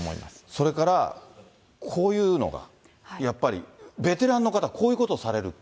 それから、こういうのが、やっぱりベテランの方、こういうことをされる。